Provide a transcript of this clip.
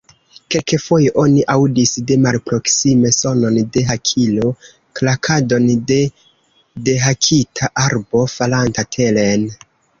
Kelkfoje oni aŭdis de malproksime sonon de hakilo, krakadon de dehakita arbo, falanta teren.